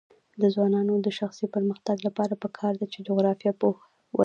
د ځوانانو د شخصي پرمختګ لپاره پکار ده چې جغرافیه پوهه ورکړي.